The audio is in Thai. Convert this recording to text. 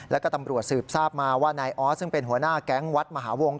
แล้วก็ตำรวจสืบทราบมาว่านายออสซึ่งเป็นหัวหน้าแก๊งวัดมหาวงศ